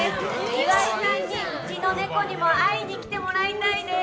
岩井さんにうちのネコにも会いに来てもらいたいです。